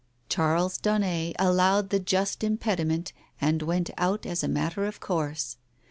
Charles Daunet allowed the just im pediment and went out as a matter of course.